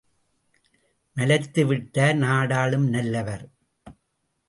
மலைத்து விட்டார் நாடாளும் நல்லவர்.